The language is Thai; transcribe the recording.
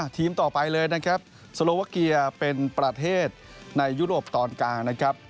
ทีมต่อไปเลยนะครับโซโลวาเกียร์เป็นประเทศในยุโรปตอนกลางนะครับ